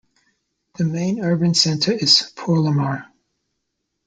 The main urban center is Porlamar.